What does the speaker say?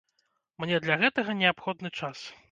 Мне для гэтага неабходны час.